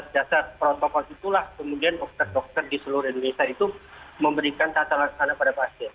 dasar protokol itulah kemudian dokter dokter di seluruh indonesia itu memberikan tata laksana pada pasien